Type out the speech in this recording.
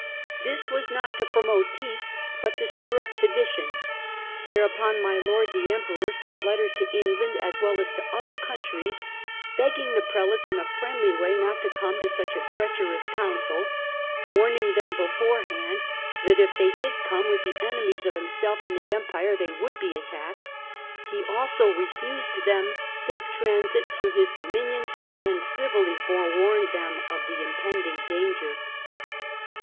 This was not to promote peace but to stir up sedition. Thereupon my Lord the Emperor sent letters to England as well as to other countries, begging the Prelates in a friendly way not to come to such a treacherous council ; warning them beforehand that if they did come with the enemies of himself and the Empire, they would be attacked : he also refused them safe transit through his dominions and civilly forewarned them of the impending danger.